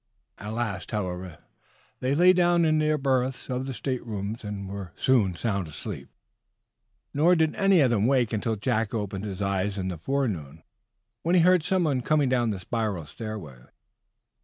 At last, however, they lay down in the berths of the state rooms, and were soon sound asleep. Nor did any of them wake until Jack opened his eyes in the forenoon, when he heard someone coming down the spiral stairway.